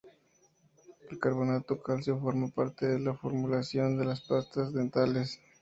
El carbonato cálcico forma parte de la formulación de las pastas dentales.